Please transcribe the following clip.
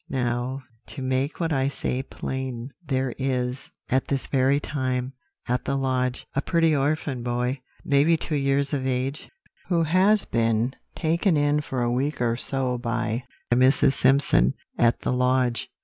Now, to make what I say plain, there is, at this very time, at the lodge, a pretty orphan boy, maybe two years of age, who has been taken in for a week or so by Mrs. Simpson, at the lodge.